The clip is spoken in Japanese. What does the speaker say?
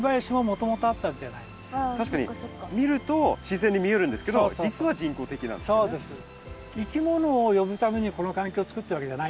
確かに見ると自然に見えるんですけど実は人工的なんですよね。